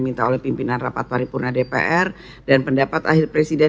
minta oleh pimpinan rapat paripurna dpr dan pendapat akhir presiden